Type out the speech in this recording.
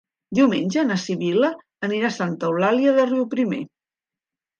Diumenge na Sibil·la anirà a Santa Eulàlia de Riuprimer.